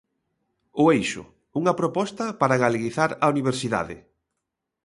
O Eixo, unha proposta para galeguizar a Universidade.